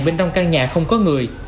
bên trong căn nhà không có người